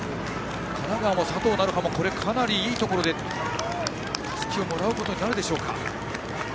神奈川の佐藤成葉もかなりいいところでたすきをもらうことになるか。